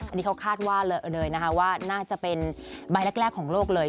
อันนี้เขาคาดว่าเลยนะคะว่าน่าจะเป็นใบแรกของโลกเลย